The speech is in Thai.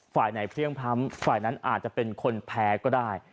ฝ่ายไหนเพลี่ยงพร้ำฝ่ายนั้นอาจจะเป็นคนแพ้ก็ได้